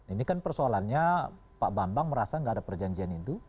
ini kan persoalannya pak bambang merasa nggak ada perjanjian itu